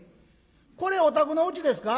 これお宅のうちですか？」。